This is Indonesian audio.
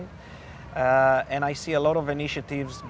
dan saya melihat banyak inisiatif